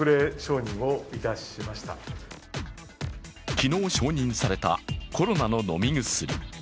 昨日承認されたコロナの飲み薬。